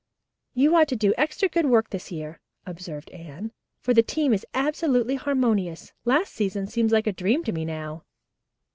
"You ought to do extra good work this year," observed Anne, "for the team is absolutely harmonious. Last season seems like a dream to me now."